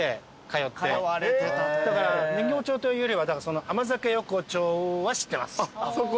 だから人形町というよりは甘酒横丁は知ってます。